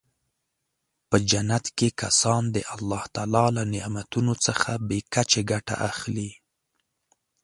په جنت کې کسان د الله تعالی له نعمتونو څخه بې کچې ګټه اخلي.